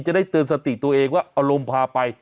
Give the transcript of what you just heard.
จะได้เตือนสติตัวเองว่าอารมณ์พาไป